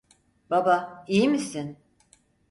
Baba, iyi misin?